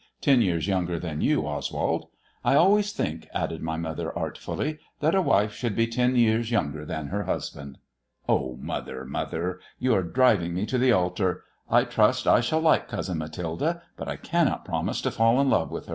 Ten years younger than you, Oswald. I always think," added my mother artfully, that a wife should be ten years younger than her husband." " Oh, mother, mother. You are driving me to the altar. I trust I shall like Cousin Mathilde, but I cannot promise to fall in love with her."